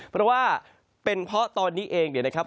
เพราะว่าเป็นเพราะตอนนี้เองเนี่ยนะครับ